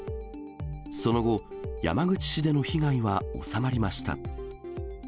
その後、山口市での被害は収まりました。